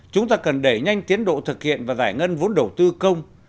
chúng ta cần đẩy nhanh tiến độ thực hiện và giải ngân vốn đầu tư công